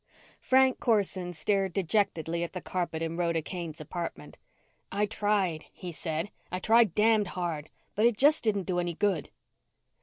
Frank Corson stared dejectedly at the carpet in Rhoda Kane's apartment. "I tried," he said. "I tried damned hard. But it just didn't do any good."